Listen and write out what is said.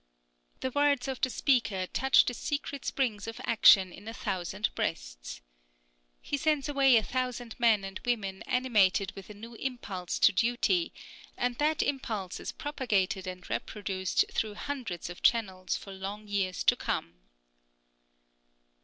The words of the speaker touch the secret springs of action in a thousand breasts. He sends away a thousand men and women animated with a new impulse to duty, and that impulse is propagated and reproduced through hundreds of channels for long years to come.